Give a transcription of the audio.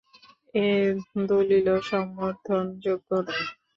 এ দলীলও সমর্থনযোগ্য নয়।